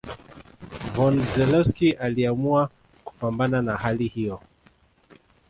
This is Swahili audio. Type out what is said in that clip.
Von Zelewski aliamua kupambana na hali hiyo